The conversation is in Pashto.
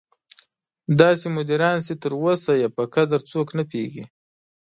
داسې مدیران چې تر اوسه یې په قدر څوک نه پوهېږي.